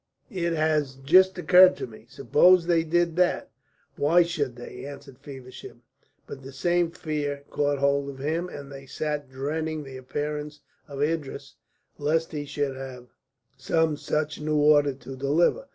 "It has just occurred to me! Suppose they did that!" "Why should they?" answered Feversham; but the same fear caught hold of him, and they sat dreading the appearance of Idris, lest he should have some such new order to deliver.